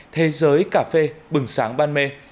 thế giới cà phê bừng sáng ban mê